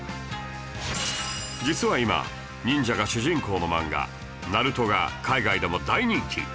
実は今忍者が主人公の漫画『ＮＡＲＵＴＯ』が海外でも大人気